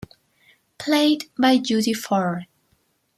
Played by Judi Farr.